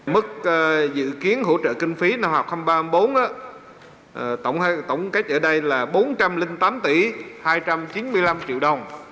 mức dự kiến hỗ trợ kinh phí năm học hai nghìn ba mươi bốn tổng cách ở đây là bốn trăm linh tám tỷ hai trăm chín mươi năm triệu đồng